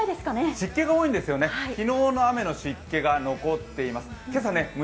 湿気が多いんですよね、昨日の雨の湿気が残っています。